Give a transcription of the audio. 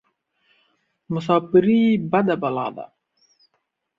مساپرى بده بلا ده.